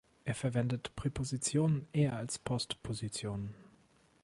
Es verwendet Präpositionen eher als Postpositionen.